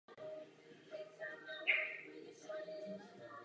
U maximální délky je uvedena také odpovídající počáteční hodnota.